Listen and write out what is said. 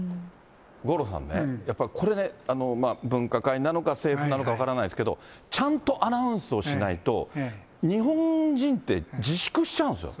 五郎さんね、やっぱ、分科会なのか、政府なのか分からないですけど、ちゃんとアナウンスをしないと、日本人って、自粛しちゃうんですよ。